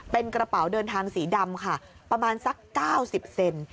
เป็นกระเป๋าเดินทางสีดำค่ะประมาณสัก๙๐เซน